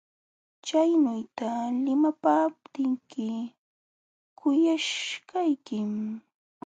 Chaynuyta limapaamaptiyki kuyaśhaykim.